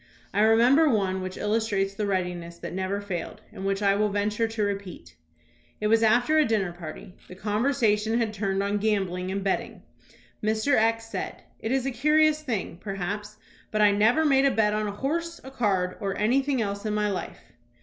I remember one which illustrates the readiness that never failed, and which I will venture to repeat. It was after a dinner party. The conversation had turned on gambling and betting. Mr. X said: "It is a curious thing, perhaps, but I never made a bet on a horse, a card, or anything else in my life."